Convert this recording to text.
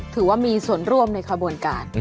ถือว่ามีส่วนร่วมในขบวนการ